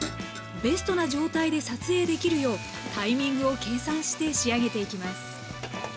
ベストな状態で撮影できるようタイミングを計算して仕上げていきます